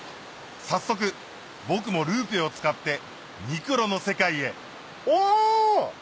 早速僕もルーペを使ってミクロの世界へおぉ！